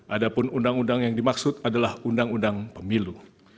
ada pun undang undang yang dimaksud adalah undang undang pemilu